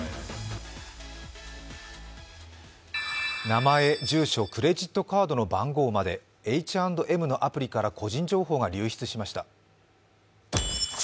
名前、住所、クレジットカードの番号までＨ＆Ｍのアプリから個人情報が流出しました。